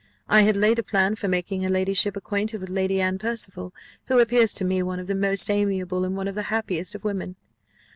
I had laid a plan for making her ladyship acquainted with Lady Anne Percival, who appears to me one of the most amiable and one of the happiest of women.